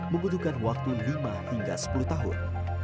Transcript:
membutuhkan waktu lima hingga sepuluh tahun